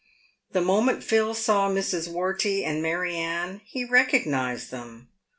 The moment Phil saw Mrs. Wortey and Mary Anne, he recognised them.